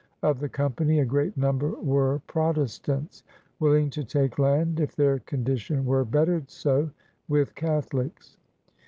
Of the company a great number were Protestants, willing to take land, if their condition were bettered so, with Catholics.